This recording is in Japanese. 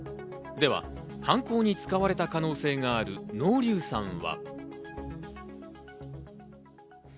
では犯行に使われた可能性がある濃硫酸は。